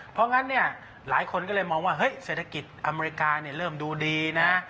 เพราะงั้นเนี่ยหลายคนก็เลยมองว่าเฮ้ยเศรษฐกิจอเมริกาเนี่ยเริ่มดูดีนะ